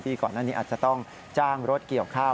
ก่อนหน้านี้อาจจะต้องจ้างรถเกี่ยวข้าว